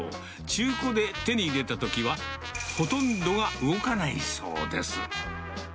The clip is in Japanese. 中古で手に入れたときは、ほとんどが動かないそうです。